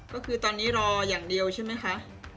ก็คือตอนนี้รออย่างเดียวใช่ไหมคะ